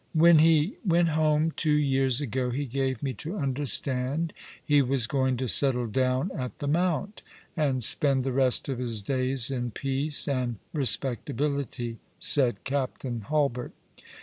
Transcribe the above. " When he w^ent home two years ago he gave me to under stand he was going to settle down at the Mount, and spend the rest of his days in peace and respectability," said Captain Hulbert.